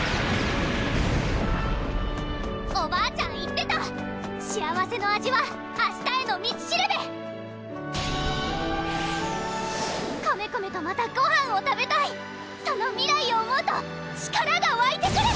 おばあちゃん言ってた「幸せの味は明日への道しるべ」コメコメとまたごはんを食べたいその未来を思うと力がわいてくる！